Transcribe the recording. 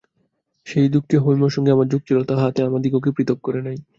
সেই দুঃখে হৈমর সঙ্গে আমার যোগ ছিল, তাহাতে আমাদিগকে পৃথক করে নাই।